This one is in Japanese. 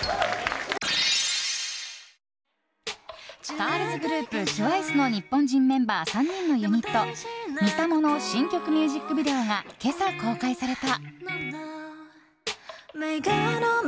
ガールズグループＴＷＩＣＥの日本人メンバー３人のユニットＭＩＳＡＭＯの新曲ミュージックビデオが今朝、公開された。